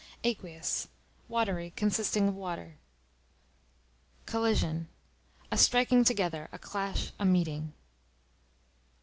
Aqueous, watery; consisting of water. Collision, a striking together, a clash, a meeting.